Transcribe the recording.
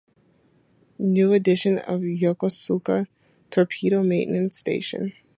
New edition of Yokosuka torpedo maintenance station.